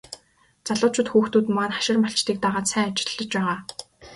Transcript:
Залуучууд хүүхдүүд маань хашир малчдыг дагаад сайн ажиллаж байгаа.